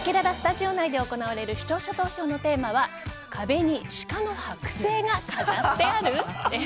せきららスタジオ内で行われる視聴者投票のテーマは壁に鹿のはく製が飾ってある？です。